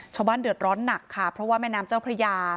ชาวบ้านเดือดร้อนหนักค่ะเพราะว่าแม่น้ำเจ้าพระยา